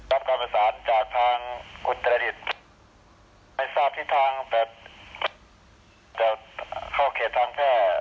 รับประสานจากทางอุตรดิตไม่ทราบที่ทางแต่จะเข้าเขตทางแพร่